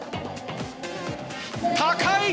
高い！